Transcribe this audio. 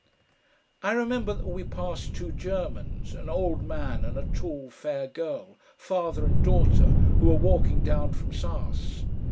I remember that we passed two Germans, an old man and a tall fair girl, father and daughter, who were walking down from Saas.